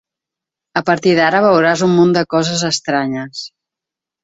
A partir d'ara veuràs un munt de coses estranyes.